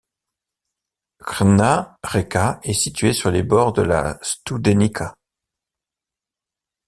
Crna Reka est située sur les bords de la Studenica.